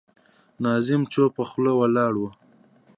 ناظم چوپه خوله ولاړ و.